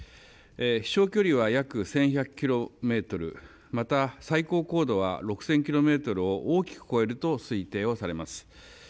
飛しょう距離は約１１００キロメートル、また、最高高度は６０００キロメートルを大きく超えると推定をされます。